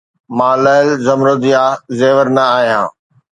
مان لعل، زمرد يا زيور نه آهيان